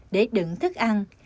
để đựng thức ăn